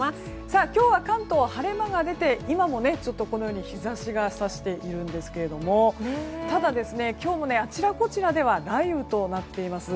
今日は関東、晴れ間が出て今も日差しがさしているんですけどただ、今日もあちらこちらで雷雨となっています。